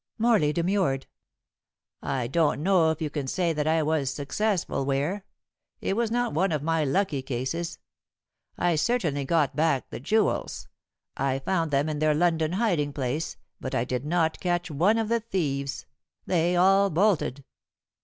Morley demurred. "I don't know if you can say that I was successful, Ware. It was not one of my lucky cases. I certainly got back the jewels. I found them in their London hiding place, but I did not catch one of the thieves. They all bolted."